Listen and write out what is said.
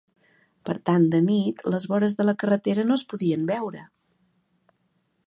Per tant, de nit, les vores de la carretera no es podien veure.